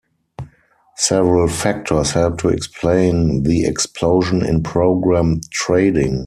Several factors help to explain the explosion in program trading.